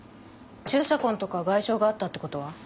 注射痕とか外傷があったってことは？